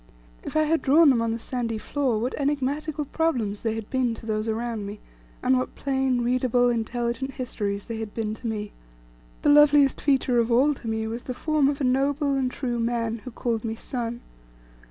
If I had drawn them on the sandy floor, what enigmatical problems they had been to those around me, and what plain, readable, intelligent histories they had been to me! The loveliest feature of all to me was the form of a noble, and true man, who called me son.